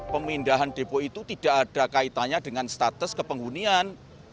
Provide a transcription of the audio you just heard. pemindahan depo itu tidak ada kaitannya dengan status kepenghunian